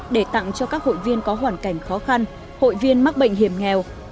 để tặng cho các hội viên có hoàn cảnh khó khăn hội viên mắc bệnh hiểm nghèo